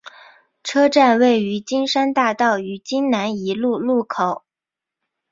车站位于金山大道与金南一路路口。